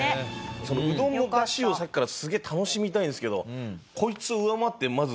そのうどんの出汁をさっきからすげえ楽しみたいんですけどこいつを上回ってまずすごい。